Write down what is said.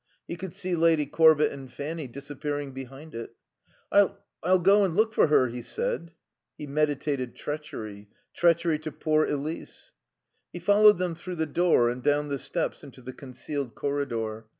He could see Lady Corbett and Fanny disappearing behind it. "I I'll go and look for her," he said. He meditated treachery. Treachery to poor Elise. He followed them through the door and down the steps into the concealed corridor.